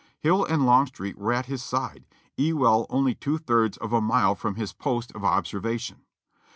Hill and Longstreet were at his side, Ewell only two thirds of a mile from his post of observa tion.